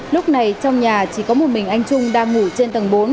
lúc này trong nhà chỉ có một mình anh trung đang ngủ trên tầng bốn